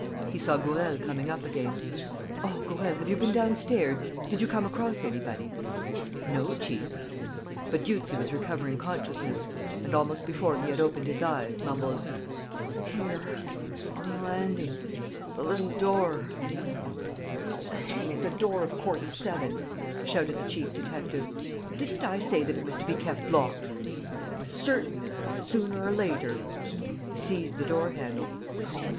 He saw Gourel coming up again: "Oh, Gourel, have you been downstairs? Did you come across anybody?" "No, chief. ..." But Dieuzy was recovering consciousness and, almost before he had opened his eyes, mumbled: "Here, on the landing, the little door. ..." "Oh, hang it, the door of Court 7!" shouted the chief detective. "Didn't I say that it was to be kept locked? ... It was certain that, sooner or later ..." He seized the door handle. "Oh, of course! The door is bolted on the other side now!"